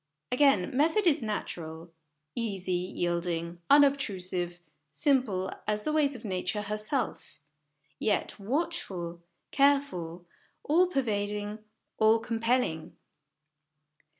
Again, method is natural ; easy, yielding, unobtrusive, simple as the ways of Nature herself; yet, watchful, careful, all pervading, all compelling.